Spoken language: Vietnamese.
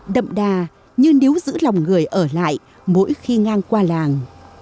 đậm đà như níu giữ lòng người ở lại mỗi khi ngang qua làng